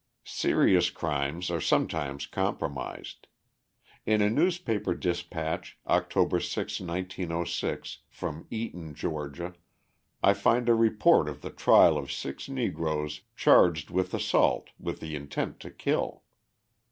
Serious crimes are sometimes compromised. In a newspaper dispatch, October 6, 1906, from Eaton Ga., I find a report of the trial of six Negroes charged with assault with the intent to kill.